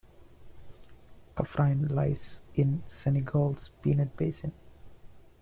Kaffrine lies in Senegal's Peanut Basin.